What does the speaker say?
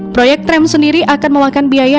proyek trem sendiri akan mewakkan biaya